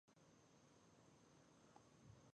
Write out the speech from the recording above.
اوښ د افغانستان د صادراتو یوه مهمه برخه ده.